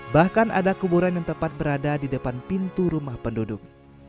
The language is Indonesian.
bahkan ada kuburan yang tepat berada di depan pintu rumah penduduk